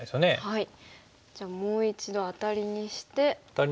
はい。